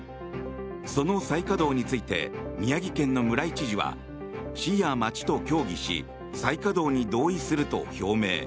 その再稼働について宮城県の村井知事は市や町と協議し再稼働に同意すると表明。